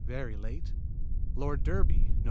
Very late Lord Derby Nov.